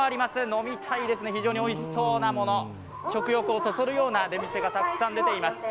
飲みたいですね、非常においしそうなもの、食欲をそそるような出店がたくさん出ています。